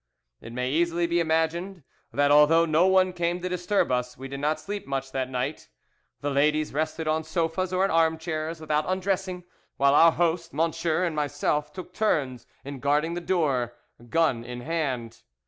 "It may easily be imagined that although no one came to disturb us we did not sleep much that night. The ladies rested on sofas or in arm chairs without undressing, while our host, M______ and myself took turns in guarding the door, gun in hand.